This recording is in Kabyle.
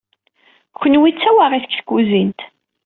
Kunwi d tawaɣit deg tkuzint.